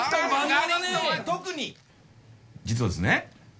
実はですね